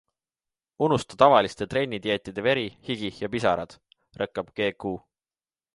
Unusta tavaliste trennide-dieetide veri, higi ja pisarad, rõkkab GQ.